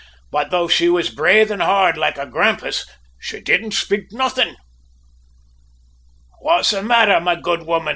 But though she was breythin' hard loike a grampus, she didn't spake nothin'! "`What's the mather, my good woman?'